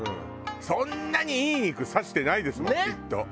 そんなにいい肉刺してないですもんきっと。